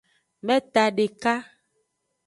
Meta deka.